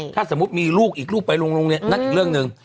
ถ้าสมมุติมีลูกอีกลูกไปโรงเรียนนั่นอีกเรื่องหนึ่ง